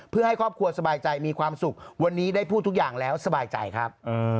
เพื่อให้ครอบครัวสบายใจมีความสุขวันนี้ได้พูดทุกอย่างแล้วสบายใจครับ